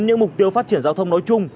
những mục tiêu phát triển giao thông nói chung